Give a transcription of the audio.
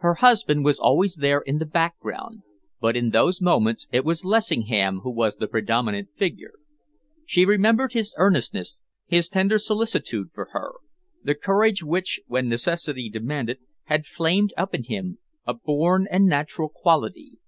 Her husband was always there in the background, but in those moments it was Lessingham who was the predominant figure. She remembered his earnestness, his tender solicitude for her, the courage which, when necessity demanded, had flamed up in him, a born and natural quality.